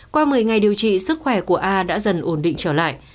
qua một mươi ngày điều trị sức khỏe của a đã dần ổn định trở lại